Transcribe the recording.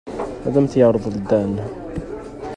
Ad am-t-yerḍel Dan.